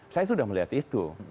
saya sudah melihat itu